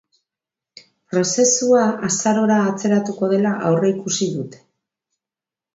Prozesua azarora atzeratuko dela aurreikusi dute.